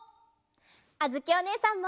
あづきおねえさんも！